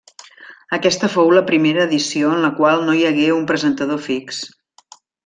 Aquesta fou la primera edició en la qual no hi hagué un presentador fix.